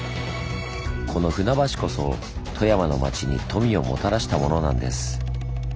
この船橋こそ富山の町に富をもたらしたものなんです。